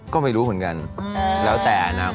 ก็ไม่รู้เหมือนกันแล้วแต่อนาคต